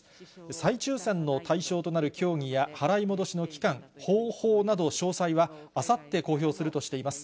再抽せんの対象となる競技や払い戻しの期間、方法などの詳細はあさって公表するとしています。